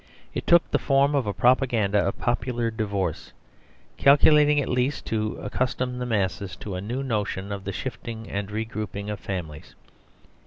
It took the form of a propaganda of popular divorce, calculated at least to accustom the masses to a new notion of the shifting and re grouping of families.